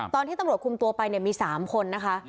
ตอนที่ตำรวจคุมตัวไปมี๓คนนะคะ